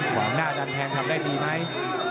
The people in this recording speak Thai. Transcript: ขวางหน้าดันแทงทำได้ดีไหม